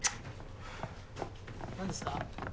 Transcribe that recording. ・何ですか！？